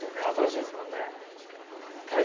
新しいですもんね。